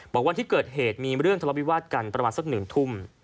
วันที่เกิดเหตุมีเรื่องทะเลาวิวาสกันประมาณสัก๑ทุ่ม